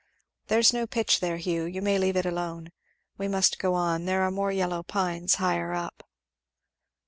There's no pitch there, Hugh you may leave it alone. We must go on there are more yellow pines higher up."